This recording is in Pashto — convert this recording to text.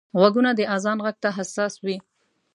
غوږونه د اذان غږ ته حساس وي